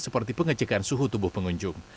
seperti pengecekan suhu tubuh pengunjung